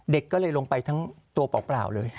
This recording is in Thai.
เด็กก็เลยลงไปทั้งตัวเปล่าเลย